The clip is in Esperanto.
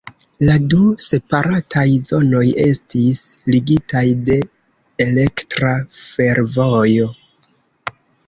La du separataj zonoj estis ligitaj de elektra fervojo.